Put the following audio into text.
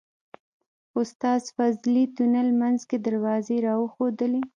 استاد فضلي تونل منځ کې دروازې راوښودلې.